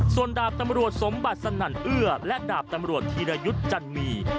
ส่วนดาบตำรวจสมบัติสนั่นเอื้อและดาบตำรวจธีรยุทธ์จันมี